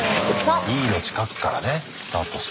Ｅの近くからねスタートして。